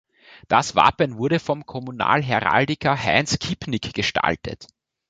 Das Wappen wurde vom Kommunalheraldiker Heinz Kippnick gestaltet.